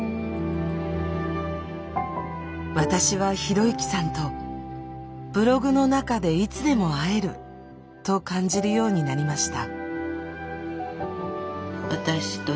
私は啓之さんと「ブログの中でいつでも会える」と感じるようになりました。